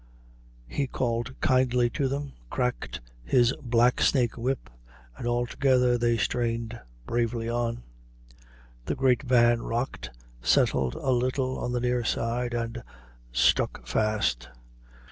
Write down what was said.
He called kindly to them, cracked his black snake whip, and all together they strained bravely on. The great van rocked, settled a little on the near side, and stuck fast.